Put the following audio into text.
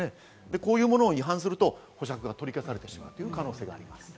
こういうものを違反すると保釈が取り消されてしまう可能性があります。